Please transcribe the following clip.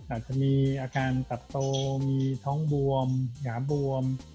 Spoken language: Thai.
อาจจะมีอาการตับโตมีท้องบวมหยามบวม